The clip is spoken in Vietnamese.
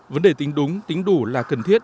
vấn đề tính đúng tính đủ là cần thiết